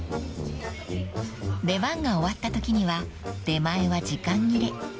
［出番が終わったときには出前は時間切れ］